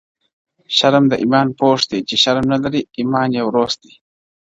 شرم د ايمان پوښ دئ، چي شرم نلري ايمان ئې وروست دئ.